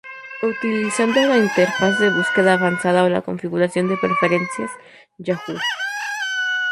Utilizando la interfaz de búsqueda avanzada o la configuración de preferencias, Yahoo!